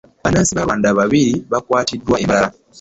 Bannansi ba Rwanda bibiri bakwatiddwa e Mbarara.